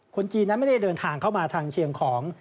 จีนนั้นไม่ได้เดินทางเข้ามาทางเชียงของ